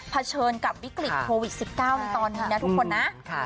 เฉินกับวิกฤตโควิด๑๙ในตอนนี้นะทุกคนนะ